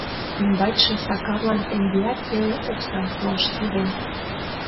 Ӱмбачше Сакарлан теҥгеат пеле оксам пуаш сӧрен.